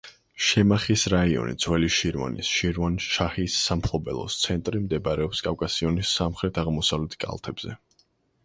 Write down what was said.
შემახის რაიონი, ძველი შირვანის, შირვანშაჰის სამფლობელოს, ცენტრი, მდებარეობს კავკასიონის სამხრეთ-აღმოსავლეთ კალთებზე.